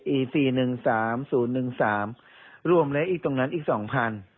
อีกสี่หนึ่งสามศูนย์หนึ่งสามรวมและอีกตรงนั้นอีกสองพัน